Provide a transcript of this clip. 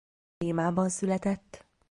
Brémában született.